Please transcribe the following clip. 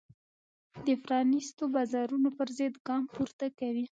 د پرانیستو بازارونو پرضد ګام پورته کوي.